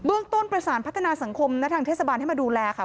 ต้นประสานพัฒนาสังคมและทางเทศบาลให้มาดูแลค่ะ